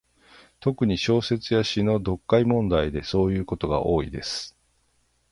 特に、小説や詩の読解問題でそういうことが多いです。